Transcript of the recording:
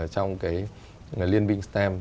trong cái liên binh stem